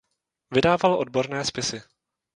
Vydával odborné spisy.